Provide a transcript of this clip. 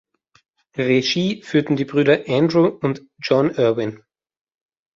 Regie führten die Brüder Andrew und Jon Erwin.